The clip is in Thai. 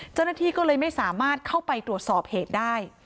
เจ้าหน้าที่ก็เลยไม่สามารถเข้าไปตรวจสอบเหตุได้